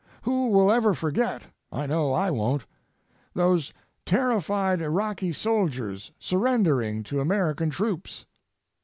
Who will ever forgetŌĆöI know I won'tŌĆöthose terrified Iraqi soldiers surrendering to American troops?